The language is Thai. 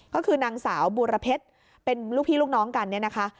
ก็คือนางสาวบูรเพชรเป็นลูกพี่ลูกน้องกันเนี่ยนะคะ